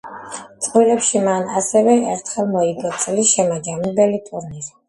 წყვილებში მან ასევე ერთხელ მოიგო წლის შემაჯამებელი ტურნირი.